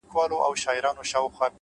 خپل ژوند د ګټورو اغېزو نښه وګرځوئ.!